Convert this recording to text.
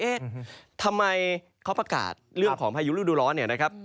ทำไมเขาประกาศเรื่องของพายุฤดูร้อนเนี่ยนะครับ